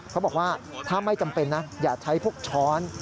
เขาบอกว่าถ้าไม่จำเป็นนะอย่าใช้พวกช้อน